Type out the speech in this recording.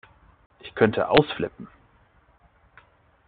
Ich könnte ausflippen!